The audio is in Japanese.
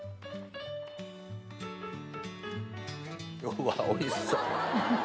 うわおいしそう。